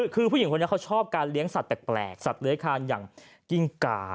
คือผู้หญิงคนนี้เขาชอบการเลี้ยงสัตว์แปลกสัตว์เลื้อยคานอย่างกิ้งกา